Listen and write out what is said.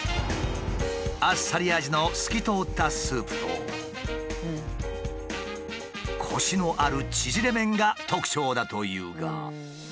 あっさり味の透き通ったスープとコシのある縮れ麺が特徴だというが。